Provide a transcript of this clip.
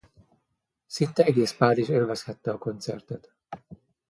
Szinte egész Párizs élvezhette a koncertet.